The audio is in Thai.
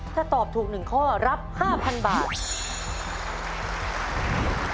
ถ้าตอบถูก๑ข้อรับ๕๐๐๐บาท